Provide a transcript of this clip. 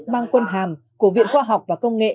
mang quân hàm của viện khoa học và công nghệ